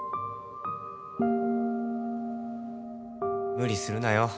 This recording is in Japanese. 「無理するなよ。